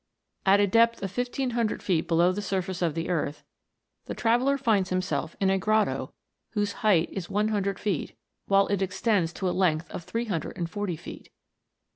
At a depth of fifteen hun dred feet below the surface of the earth, the traveller finds himself in a grotto whose height is one hun dred feet, while it extends to a length of three hundred and forty feet.